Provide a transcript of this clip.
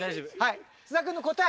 菅田君の答え。